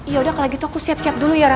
yaudah kalau gitu aku siap siap dulu ya ra